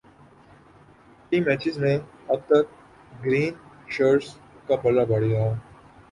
T matches میں اب تک گرین شرٹس کا پلڑا بھاری رہا